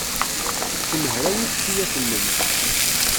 Kemm hrawit tuyat-nnem.